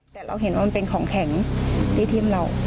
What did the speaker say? แต่เราเห็นว่ามันเป็นของแข็งที่ทีมเรา